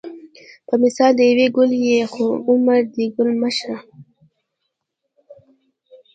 په مثال دې یو ګل یې خو عمر دې ګل مه شه